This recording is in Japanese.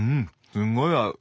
すごい合う！